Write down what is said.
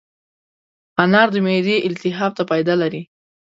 انار د معدې التهاب ته فایده لري.